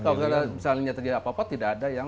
kalau misalnya terjadi apa apa tidak ada yang